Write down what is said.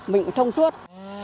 mình cũng thông suốt